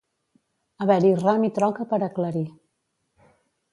Haver-hi ram i troca per aclarir.